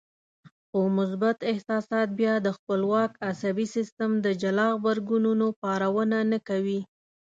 خو مثبت احساسات بيا د خپلواک عصبي سيستم د جلا غبرګونونو پارونه نه کوي.